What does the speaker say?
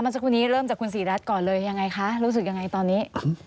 สักครู่นี้เริ่มจากคุณศรีรัฐก่อนเลยยังไงคะรู้สึกยังไงตอนนี้